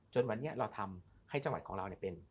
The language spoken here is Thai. จนวันนี้เราทำให้จังหวัดของเราเป็น